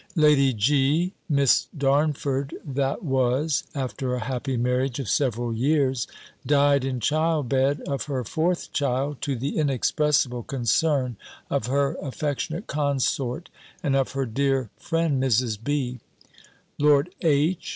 Lady G., Miss DARNFORD that was, after a happy marriage of several years, died in child bed of her fourth child, to the inexpressible concern of her affectionate consort, and of her dear friend Mrs. B. Lord H.